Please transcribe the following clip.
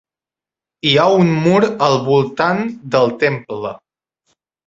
Hi ha un mur al voltant del temple.